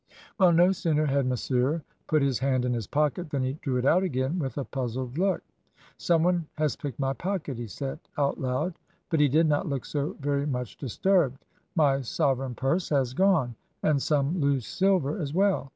"Well, no sooner had Monsieur put his hand in his pocket than he drew it out again with a puzzled look. "'Some one has picked my pocket,' he said, out loud, but he did not look so very much disturbed. 'My sovereign purse has gone, and some loose silver as well.'